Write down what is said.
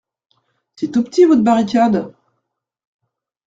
C'est tout petit, votre barricade.